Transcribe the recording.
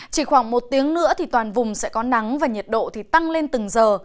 chỉ khoảng một tiếng nữa thì toàn vùng sẽ có nắng và nhiệt độ thì tăng lên từng giờ